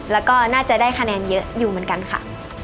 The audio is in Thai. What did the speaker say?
แล้วก็น่าจะได้คะแนนเยอะอยู่เหมือนกันค่ะ